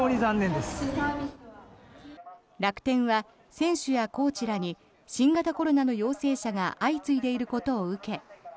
楽天は選手やコーチらに新型コロナの陽性者が相次いでいることを受け